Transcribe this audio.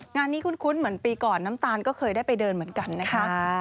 งานนี้คุ้นเหมือนปีก่อนน้ำตาลก็เคยได้ไปเดินเหมือนกันนะคะ